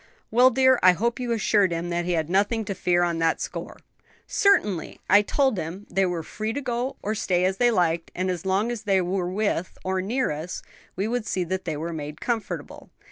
'" "Well, dear, I hope you assured him that he had nothing to fear on that score." "Certainly; I told him they were free to go or stay as they liked, and as long as they were with, or near us, we would see that they were made comfortable.